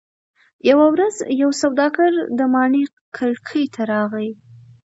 یوه ورځ یو سوداګر د ماڼۍ کړکۍ ته راغی.